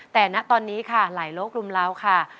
แต่ณะตอนนี้ค่ะหลายโลกลุมเลาฮอร์ค่ะ